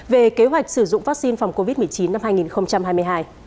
về kế hoạch sử dụng vaccine phòng covid một mươi chín năm hai nghìn hai mươi hai